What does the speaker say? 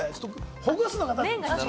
ほぐすのが大変。